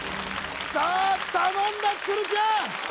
さあ頼んだ鶴ちゃん